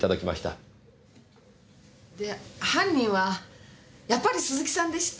で犯人はやっぱり鈴木さんでした？